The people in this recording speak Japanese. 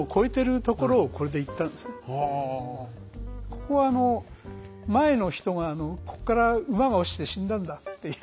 ここは前の人がここから馬が落ちて死んだんだっていう。